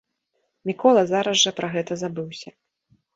Мікола зараз жа пра гэта забыўся.